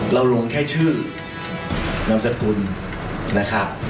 ลงแค่ชื่อนามสกุลนะครับ